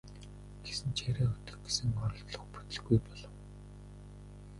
Гэсэн ч яриа өдөх гэсэн оролдлого бүтэлгүй болов.